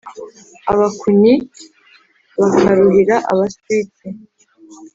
abakunnyi bakaruhira abaswitsi